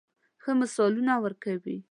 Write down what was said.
ښه مثالونه ورکوي.